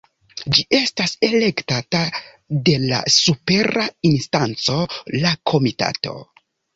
Ĝi estas elektata de la supera instanco, la Komitato.